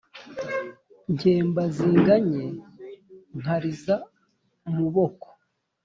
nkemba zinganye nkariza muboko